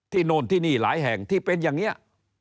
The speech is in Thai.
โน่นที่นี่หลายแห่งที่เป็นอย่างนี้